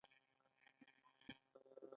خوشاله اوسه او موسکا کوه .